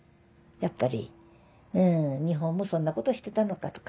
やっぱり日本もそんなことしてたのかと。